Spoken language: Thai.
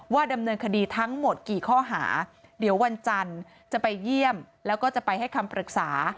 ดำเนินคดีทั้งหมดกี่ข้อหาเดี๋ยววันจันทร์จะไปเยี่ยมแล้วก็จะไปให้คำปรึกษา